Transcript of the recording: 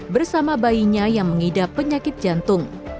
bersama bayinya yang mengidap penyakit jantung